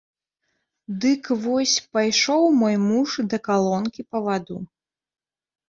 Дык вось, пайшоў мой муж да калонкі па ваду.